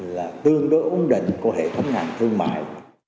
là tương đối ổn định của hệ thống ngành thương mại